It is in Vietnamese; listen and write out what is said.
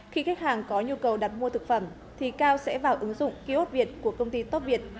khi khách hàng có nhu cầu đặt mua thực phẩm thì cao sẽ vào ứng dụng kiosk việt của công ty top việt